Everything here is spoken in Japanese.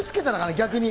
逆に。